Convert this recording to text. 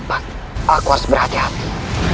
kan kau jadi itu